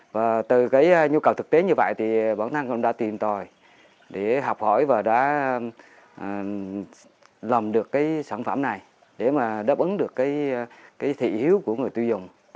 và từ nhu cầu thực tế như vậy bản thân cũng đã tìm tòi để học hỏi và đã làm được sản phẩm này để đáp ứng được thị hiếu của người tiêu dùng